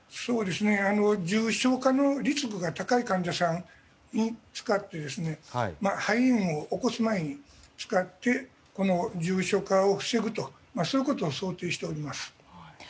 重症化のリスクが高い患者さんに使って肺炎を起こす前に使って重症化を防ぐということを想定しております。